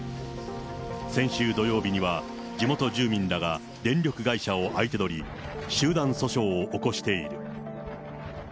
先週土曜日には、地元住民らが電力会社を相手取り、集団訴訟を起こしている。